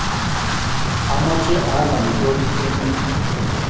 Amache aal amitwogik eng' yun